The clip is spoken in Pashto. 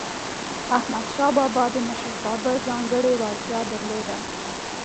احمدشاه بابا د مشرتابه ځانګړی وړتیا درلودله.